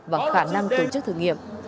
và khả năng tổ chức thử nghiệm